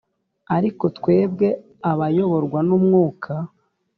ariko twebwe abayoborwa n umwuka